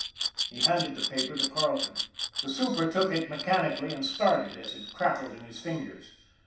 He handed the paper to Carleton. The super took it mechanically, and started as it crackled in his fingers.